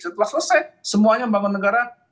setelah selesai semuanya membangun negara